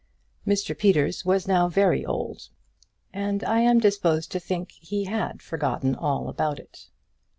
Mr Peters was now very old, and I am disposed to think he had forgotten all about it.